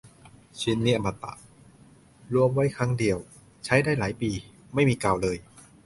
ชิ้นนี้อมตะ รวบรวมไว้ครั้งเดียว ใช้ได้หลายปี ไม่มีเก่าเลย